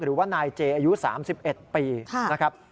หรือว่านายเจอายุ๓๑ปีนะครับ